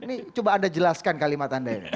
ini coba anda jelaskan kalimat anda ya